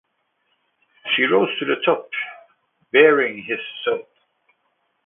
He rose to the top baring his soul.